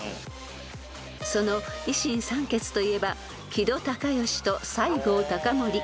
［その維新三傑といえば木戸孝允と西郷隆盛］